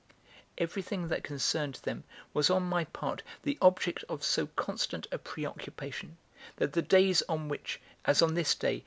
Everything that concerned them was on my part the object of so constant a preoccupation that the days on which, as on this day, M.